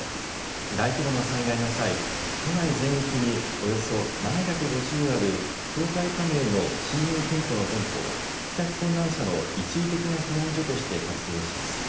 大規模な災害の際、都内全域におよそ７５０ある協会加盟の信用金庫の店舗を帰宅困難者の一時的な避難所として活用します。